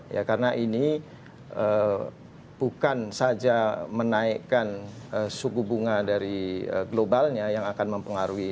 ya karena ini bukan saja menaikkan suku bunga dari globalnya yang akan mempengaruhi